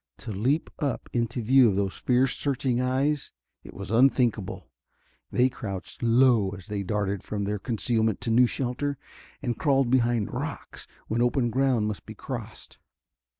To leap up into view of those fierce, searching eyes! It was unthinkable. They crouched low as they darted from their concealment to new shelter, and crawled behind rocks when open ground must be crossed.